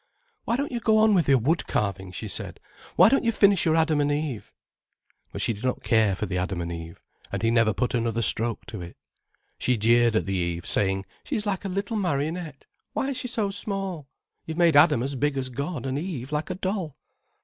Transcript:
"Why don't you go on with your wood carving?" she said. "Why don't you finish your Adam and Eve?" But she did not care for the Adam and Eve, and he never put another stroke to it. She jeered at the Eve, saying, "She is like a little marionette. Why is she so small? You've made Adam as big as God, and Eve like a doll."